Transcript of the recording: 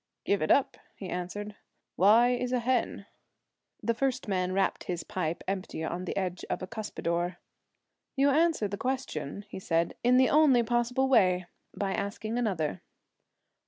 'Give it up,' he answered. 'Why is a hen?' The first man rapped his pipe empty on the edge of a cuspidor. 'You answer the question,' he said, 'in the only possible way by asking another.'